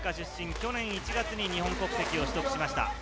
去年１月に日本国籍を取得しました。